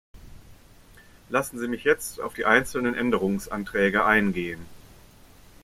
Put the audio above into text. Lassen Sie mich jetzt auf die einzelnen Änderungsanträge eingehen.